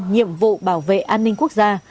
nhiệm vụ bảo vệ an ninh quốc gia